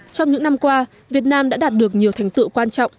trong những năm qua việt nam đã đạt được nhiều thành tựu quan trọng